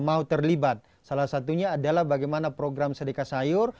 mau terlibat salah satunya adalah bagaimana program sedekah sayur